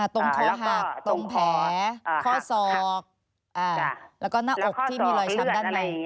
ตรงคอหักตรงแผลข้อศอกแล้วก็หน้าอกที่มีรอยช้ำด้านใน